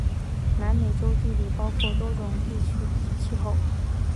南美洲地理包括多种地区及气候。